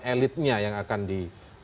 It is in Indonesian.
elitnya yang akan di